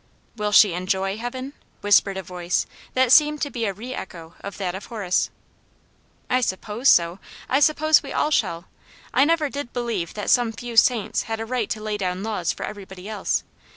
"Will she enjoy heaven ?" whispered a voice that •seemed to be a re echo of that of Horace. *' I suppose so. I suppose we all shall. I never did believe that some few saints had a right to lay down laws for everybody else.